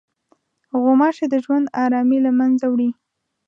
غوماشې د ژوند ارامي له منځه وړي.